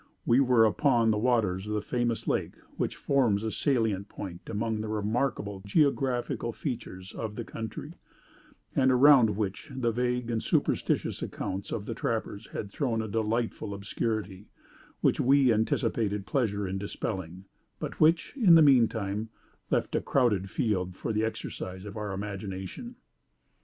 We were upon the waters of the famous lake which forms a salient point among the remarkable geographical features of the country, and around which the vague and superstitious accounts of the trappers had thrown a delightful obscurity, which we anticipated pleasure in dispelling, but which, in the meantime, left a crowded field for the exercise of our imagination.